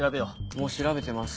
もう調べてます。